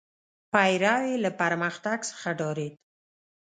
پیرو یې له پرمختګ څخه ډارېد.